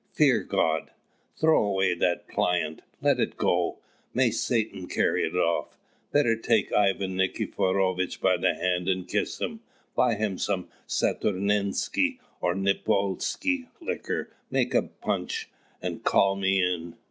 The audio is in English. Fear God! throw away that plaint, let it go! may Satan carry it off! Better take Ivan Nikiforovitch by the hand and kiss him, buy some Santurinski or Nikopolski liquor, make a punch, and call me in.